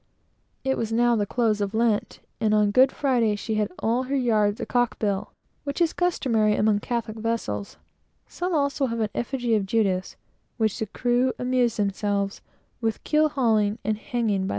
It was now the close of Lent, and on Good Friday she had all her yards a'cock bill, which is customary among Catholic vessels. Some also have an effigy of Judas, which the crew amuse themselves with keel hauling and hanging by the neck from the yard arms.